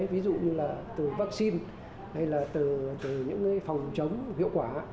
ví dụ như là từ vaccine hay là từ những phòng chống hiệu quả